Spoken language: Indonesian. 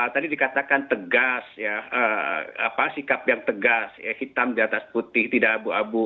tadi dikatakan tegas sikap yang tegas hitam di atas putih tidak abu abu